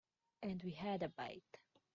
And we had a bite.